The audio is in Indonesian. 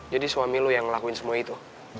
jadi suami lo yang ngelakuin semua itu